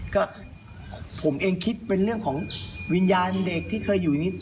ก็ผมเองคิดเป็นเรื่องของวิญญาณเด็กที่เคยอยู่อย่างนี้